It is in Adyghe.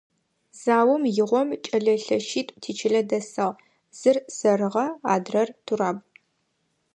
Заом игъом кӏэлэ лъэщитӏу тичылэ дэсыгъ; зыр – сэрыгъэ, адрэр – Тураб.